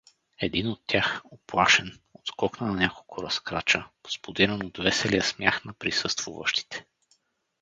Един от тях, уплашен, отскокна на няколко разкрача, сподирен от веселия смях на присъствуващите.